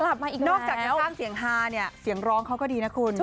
นอกจากยังท่านเสียงฮาเสียงร้องเขาก็ดีนะคุณ